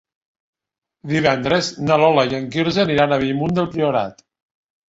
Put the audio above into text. Divendres na Lola i en Quirze aniran a Bellmunt del Priorat.